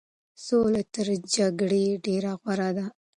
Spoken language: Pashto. سوله تر جګړې ډېره غوره ده.